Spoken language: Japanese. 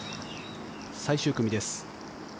最終組です。